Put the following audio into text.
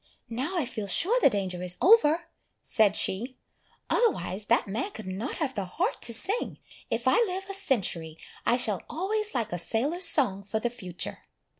"Now I feel sure the danger is over," said she, "otherwise that man could not have the heart to sing! If I live a century, I shall always like a sailor's song for the future."